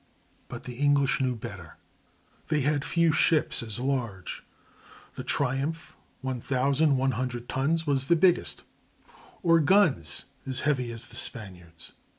But the English knew better. They had few ships as large—the Triumph, 1100 tons, was the biggest—or guns as heavy as the Spaniards'.